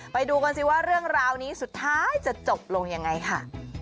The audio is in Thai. ไปดูกันสิว่าเรื่องราวนี้สุดท้ายจะจบลงยังไงค่ะ